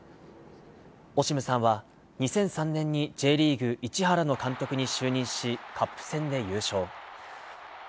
オシムさんは、２００３年にＪリーグ・市原の監督に就任し、カップ戦で優勝。